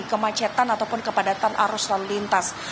kemacetan ataupun kepadatan arus lalu lintas